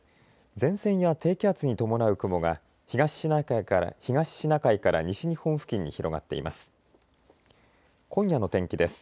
前線や低気圧に伴う雲が東シナ海から西日本付近に広がっています。